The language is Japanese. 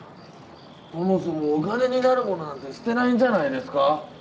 そもそもお金になるものは捨てないんじゃないですか？